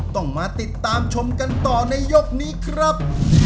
ต้องมาติดตามชมกันต่อในยกนี้ครับ